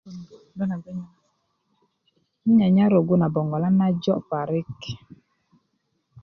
'nnyanyar na rogú na boŋgolan na jo parik